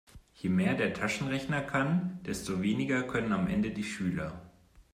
Je mehr der Taschenrechner kann, desto weniger können am Ende die Schüler.